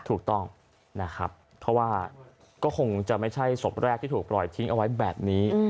ถูกต้องนะครับเพราะว่าก็คงจะไม่ใช่ศพแรกที่ถูกปล่อยทิ้งเอาไว้แบบนี้